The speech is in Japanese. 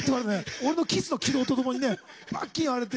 俺のキスの軌道とともにねバキッ割れて。